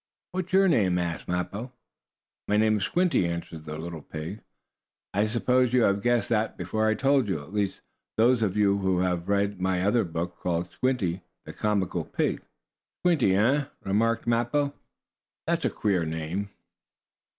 "What's your name?" asked Mappo. "My name is Squinty," answered the little pig. I suppose you had guessed that before I told you at least those of you who have read my other book, called "Squinty, the Comical Pig." "Squinty, eh?" remarked Mappo. "That's a queer name."